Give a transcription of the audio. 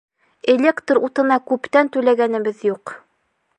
Электр утына күптән түләгәнебеҙ юҡ.